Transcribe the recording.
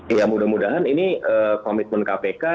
ya mudah mudahan ini komitmen kpk